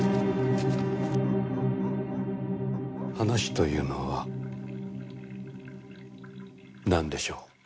話というのはなんでしょう？